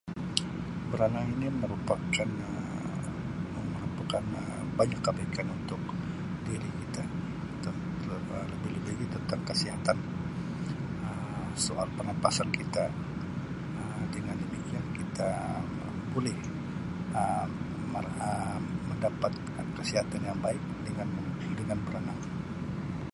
Beranang ini merupakan Um merupakan Um banyak kebaikan untuk diri kita terutama lebih-lebih tentang kesihatan Um soal pernafasan kita Um dengan demikian kita boleh Um mendapat kesihatan yang baik dengan dengan berenang.